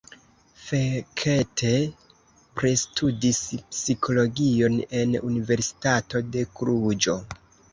Fekete pristudis psikologion en Universitato de Kluĵo.